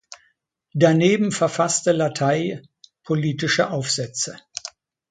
Daneben verfasste La Taille politische Aufsätze.